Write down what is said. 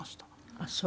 ああそう。